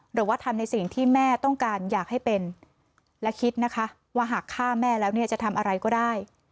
หรือว่าทำในสิ่งที่แม่ต้องการอยากให้เป็นและคิดนะคะว่าหากฆ่าแม่แล้วเนี่ยจะทำอะไรก็ได้